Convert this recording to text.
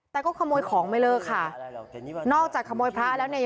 แต่ก็ขโมยของไม่เลิกค่ะนอกจากขโมยพระแล้วเนี่ย